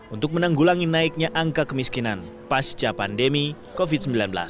untuk menanggulangi naiknya angka kemiskinan pasca pandemi covid sembilan belas